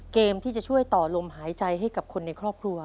เกมที่จะช่วยต่อลมหายใจให้กับคนในครอบครัว